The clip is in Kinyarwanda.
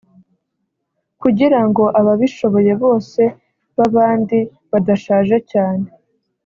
kugirango ababishoboye bose babandi badashaje cyane